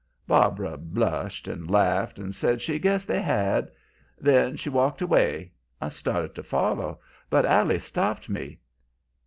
"Barbara blushed and laughed and said she guessed they had. Then she walked away. I started to follow, but Allie stopped me.